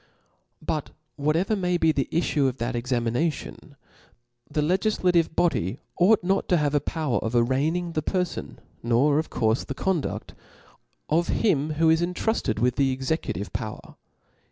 But whatever may be the iflfue of that exami nation, the legiflative body ought not to have a power of arranging the perfon, nor of courfe the condudi: of him who is intruded with the executive^ power.